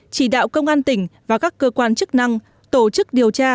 chỉ đạo công an tỉnh và các cơ quan chức năng tổ chức điều tra